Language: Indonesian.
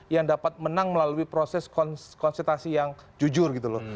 yang dapat menang melalui proses konsultasi yang jujur gitu loh